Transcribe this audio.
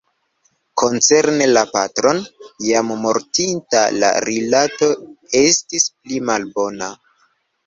Koncerne la patron, jam mortinta, la rilato estis pli malbona.